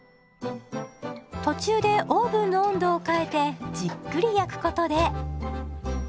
途中でオーブンの温度を変えてじっくり焼くことで。